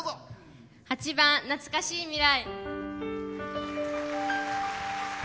８番「懐かしい未来」。